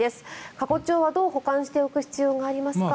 過去帳はどう保管しておく必要がありますか？